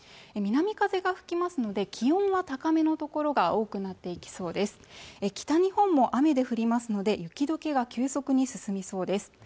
南風が吹きますので気温は高めの所が多くなっていきそうです北日本も雨で降りますので雪どけが急速に進みそうです